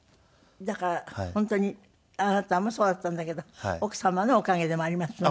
だから本当にあなたもそうだったんだけど奥様のおかげでもありますよね。